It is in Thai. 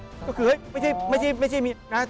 ก็คือไม่ใช่ไม่ใช่ไม่ใช่มี